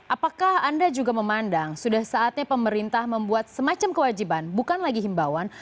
apakah anda juga memandang sudah saatnya pemerintah membuat semacam kewajiban bukan lagi himbauan